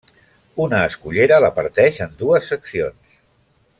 Una escullera la parteix en dues seccions.